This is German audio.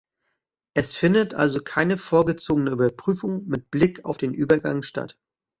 Es findet also keine vorgezogene Überprüfung mit Blick auf den Übergang statt.